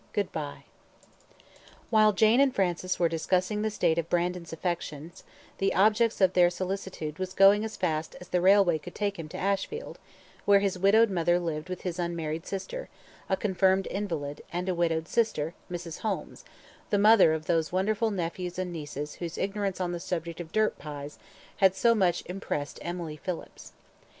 Good Bye While Jane and Francis were discussing the state of Brandon's affections, the object of their solicitude was going as fast as the railway could take him to Ashfield, where his widowed mother lived with his unmarried sister, a confirmed invalid, and a widowed sister, Mrs. Holmes, the mother of those wonderful nephews and nieces whose ignorance on the subject of dirt pies had so much impressed Emily Phillips.